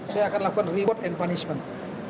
saya akan lakukan reward and punishment